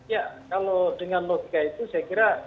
ya kalau dengan logika itu saya kira